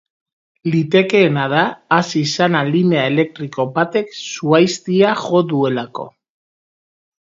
Litekeena da hasi izana linea elektriko batek zuhaiztia jo duelako.